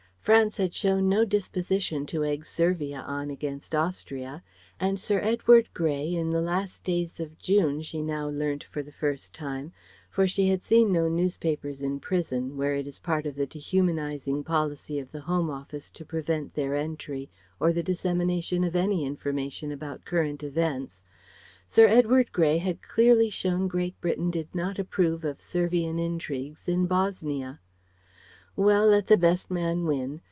France had shown no disposition to egg Servia on against Austria, and Sir Edward Grey in the last days of June she now learnt for the first time, for she had seen no newspapers in prison, where it is part of the dehumanizing policy of the Home Office to prevent their entry, or the dissemination of any information about current events Sir Edward Grey had clearly shown Great Britain did not approve of Servian intrigues in Bosnia. Well: let the best man win.